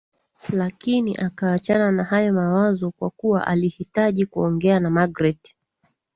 Lakini akaachana na hayo mawazo kwa kuwa alihitaji kuongea na Magreth